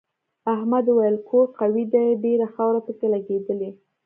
احمد وویل کور قوي دی ډېره خاوره پکې لگېدلې.